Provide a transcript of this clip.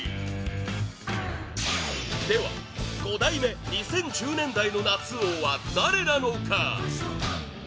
では、五代目２０１０年代の夏王は誰なのか？